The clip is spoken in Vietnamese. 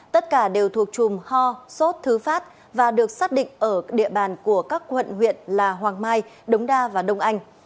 tất cả đều thuộc trùm ho sốt thứ phát và được xác định ở địa bàn của các quận huyện là hoàng mai đống đa và đông anh